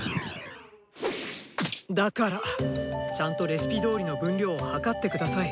だからちゃんとレシピどおりの分量を量って下さい。